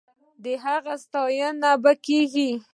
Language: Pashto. د هغه ستاينه به کېږي.